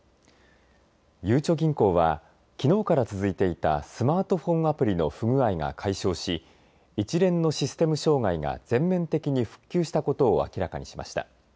ゆうちょ銀行はきのうから続いていたスマートフォンアプリの不具合が解消し一連のシステム障害が全面的に復旧したことを明らかにしました。